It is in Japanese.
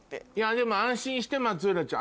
でも安心して松浦ちゃん。